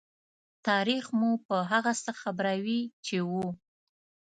تاریخ مو په هغه څه خبروي چې وو.